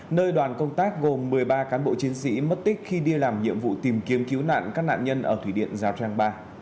nơi đoàn công tác gồm một mươi ba cán bộ chiến sĩ mất tích khi đi làm nhiệm vụ tìm kiếm cứu nạn các nạn nhân ở thủy điện rào trang ba